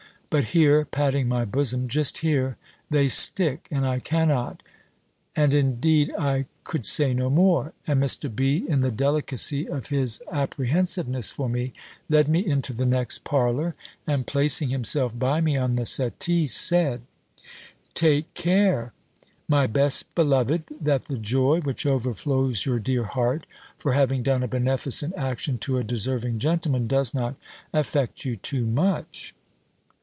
But here," patting my bosom, "just here, they stick; and I cannot " And, indeed, I could say no more; and Mr. B. in the delicacy of his apprehensiveness for me, led me into the next parlour; and placing himself by me on the settee, said, "Take care, my best beloved, that the joy, which overflows your dear heart, for having done a beneficent action to a deserving gentleman, does not affect you too much."